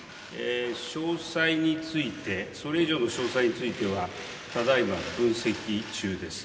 詳細について、それ以上の詳細についてはただいま分析中です。